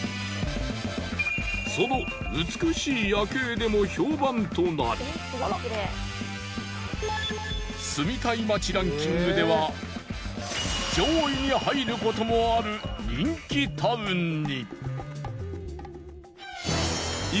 その美しい夜景でも評判となり住みたい街ランキングでは上位に入る事もある人気タウンに。